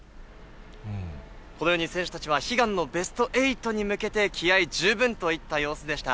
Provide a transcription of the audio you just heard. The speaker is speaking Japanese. このように、選手たちは悲願のベスト８に向けて、気合い十分といった様子でした。